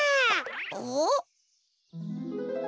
おっ？